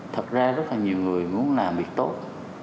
thật ra rất là nhiều người muốn làm việc tốt